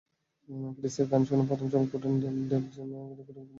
ক্রিসের গান শুনে প্রথম চমকে ওঠেন ডেফ জ্যাম রেকর্ডিং কোম্পানির কর্মী টিনা ডেভিস।